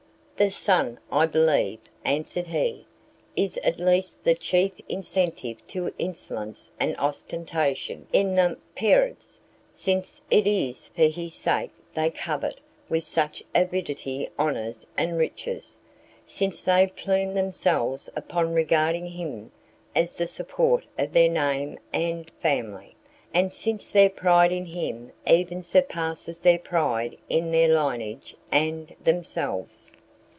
"The son, I believe," answered he, "is at least the chief incentive to insolence and ostentation in the parents, since it is for his sake they covet with such avidity honours and riches, since they plume themselves upon regarding him as the support of their name and, family, and since their pride in him even surpasses their pride in their lineage and themselves."